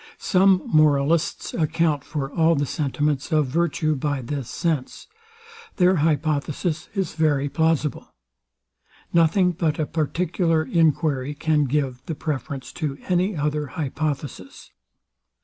Some moralists account for all the sentiments of virtue by this sense. Their hypothesis is very plausible. Nothing but a particular enquiry can give the preference to any other hypothesis.